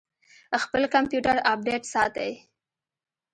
خپل کمپیوټر اپډیټ ساتئ؟